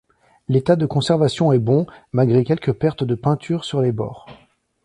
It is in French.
L'état de conservation est bon, malgré quelques pertes de peinture sur les bords.